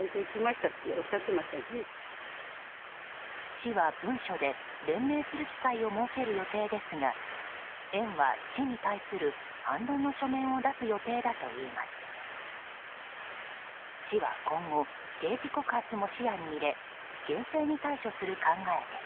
市は文書で弁明する機会を設ける予定ですが園は市に対する反論の書面を出す予定だといいます。